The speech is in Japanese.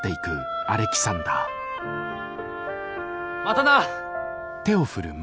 またな！